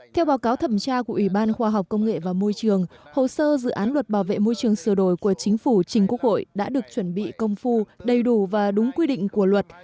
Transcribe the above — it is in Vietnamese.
theo báo cáo thẩm tra của ủy ban khoa học công nghệ và môi trường hồ sơ dự án luật bảo vệ môi trường sửa đổi của chính phủ trình quốc hội đã được chuẩn bị công phu đầy đủ và đúng quy định của luật